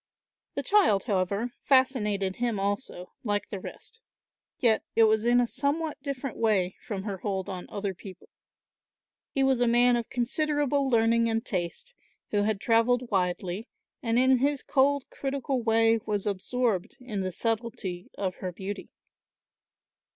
The child, however, fascinated him also, like the rest. Yet it was in a somewhat different way from her hold on other people. He was a man of considerable learning and taste, who had travelled widely, and in his cold critical way was absorbed in the subtlety of her beauty.